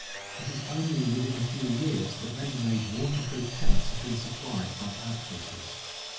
It is only within a few years that ready made waterproof tents have been supplied by outfitters.